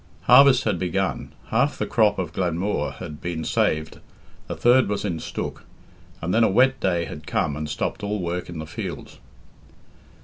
Harvest had begun; half the crop of Glenmooar had been saved, a third was in stook, and then a wet day had come and stopped all work in the fields.